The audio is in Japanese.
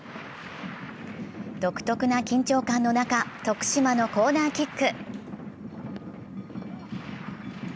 独特な緊張感の中、徳島のコーナーキック。